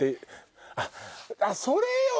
あっそれよ！